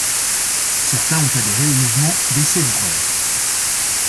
Certains ont adhéré au mouvement des Seiz Breur.